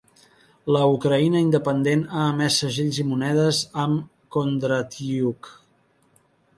La Ucraïna independent ha emès segells i monedes amb Kondratyuk.